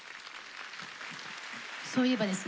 そういえばですね